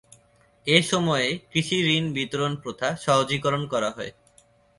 এ সময়ে কৃষিঋণ বিতরণ প্রথা সহজীকরণ করা হয়।